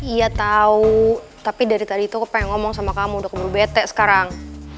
iya tau tapi dari tadi itu aku pengen ngomong sama kamu udah keburu bete sekarang